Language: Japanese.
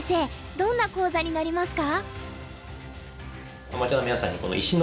どんな講座になりますか？